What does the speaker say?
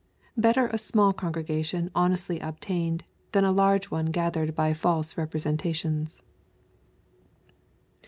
Better a small congregation honestly obtained, than a large one gathered by false representations.